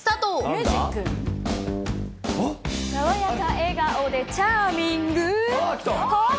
爽やか笑顔でチャーミングー。